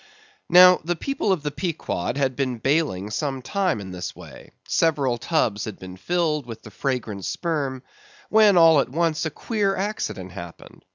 Now, the people of the Pequod had been baling some time in this way; several tubs had been filled with the fragrant sperm; when all at once a queer accident happened.